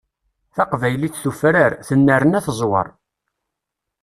Taqbaylit tufrar, tennerna teẓweṛ.